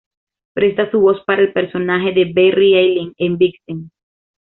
Presta su voz para el personaje de Barry Allen en "Vixen".